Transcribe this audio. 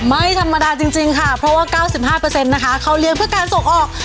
ไม่ธรรมดาจริงค่ะเพราะว่า๙๕นะคะเขาเลี้ยงเพื่อการส่งออก